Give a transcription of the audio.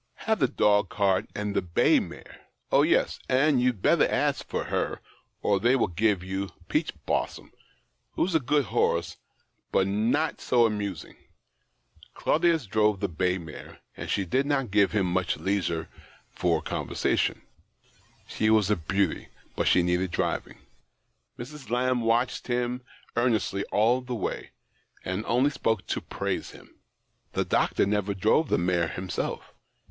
Have the dog cart and the bay mare. Oh yes — and you'd better ask for her, or they will give you ' Peach blossom,' who's a good horse, but not so amusing." Claudius drove the bay mare, and she did 62 THE OCTAVE OF CLAUDIUS. not give him much leisure for conversation. She was a beauty, but she needed driving. Mrs. Lamb watphed him earnestly all the way, and only spoke to praise him. The doctor never drove the mare himself.